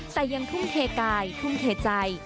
แต่ยังทุ่มเทกายทุ่มเทใจ